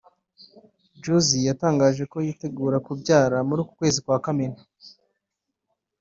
Jozy yatangaje ko yitegura kubyara muri uku kwezi kwa Kamena